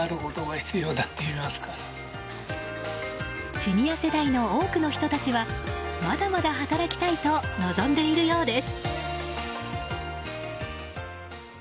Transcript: シニア世代の多くの人たちはまだまだ働きたいと望んでいるようです。